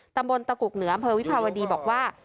ตำบลตะกุกเหนืออำเภอวิภาวดีบอกว่า